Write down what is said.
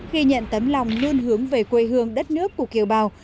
khi nhận tấm lòng lươn hướng về quê hương đất nước của kiều bào